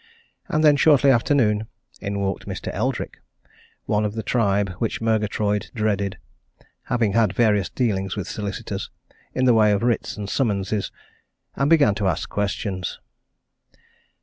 And then, shortly after noon, in walked Mr. Eldrick, one of the tribe which Murgatroyd dreaded, having had various dealings with solicitors, in the way of writs and summonses, and began to ask questions.